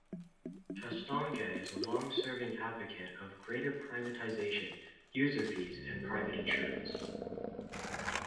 Castonguay is a long-serving advocate of greater privatization, user fees and private insurance.